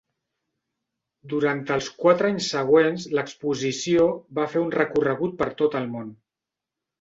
Durant els quatre anys següents, l'exposició va fer un recorregut per tot el món.